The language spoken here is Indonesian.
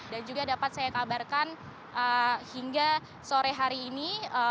dan juga dapat saya kabarkan hingga sore hari ini